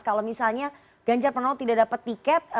kalau misalnya ganjar pranowo tidak dapat tiket